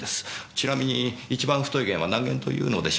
ちなみに一番太い弦は何弦というのでしょう？